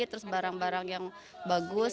terus barang barang yang bagus